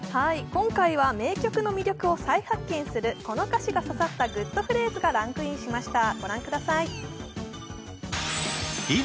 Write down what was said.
今回は名曲の魅力を再発見する、この歌詞が刺さったグッとフレーズがランクインしました。